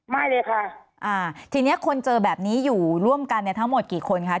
ไม่เลยค่ะอ่าทีนี้คนเจอแบบนี้อยู่ร่วมกันเนี่ยทั้งหมดกี่คนคะ